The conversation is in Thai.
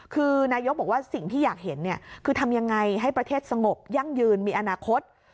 คือนายกบอกว่าสิ่งที่อยากเห็นคือทำยังไงให้ประเทศสงบยั่งยืนมีอนาคต